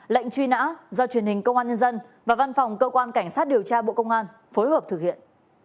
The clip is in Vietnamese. lệnh truy nã do truyền hình công an nhân dân và văn phòng cơ quan cảnh sát điều tra bộ công an phối hợp thực hiện